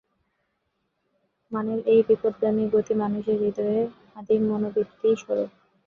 মনের এই বিপথগামী গতি মানুষের হৃদয়ের আদিম মনোবৃত্তিরই স্বরূপ।